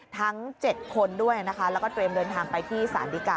ทั้ง๗คนด้วยนะคะแล้วก็เตรียมเดินทางไปที่ศาลดีกา